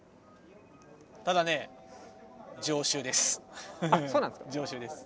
ただね常習です。